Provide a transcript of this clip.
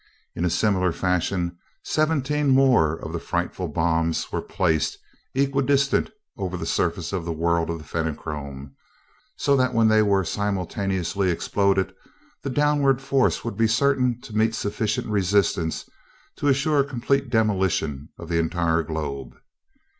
In a similar fashion seventeen more of the frightful bombs were placed, equidistant over the surface of the world of the Fenachrone, so that when they were simultaneously exploded, the downward forces would be certain to meet sufficient resistance to assure complete demolition of the entire globe.